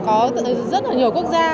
có rất là nhiều quốc gia